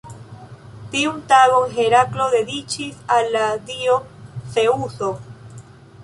Tiun tagon Heraklo dediĉis al la dio Zeŭso.